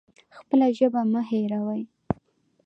خپله ژبه مه هیروئ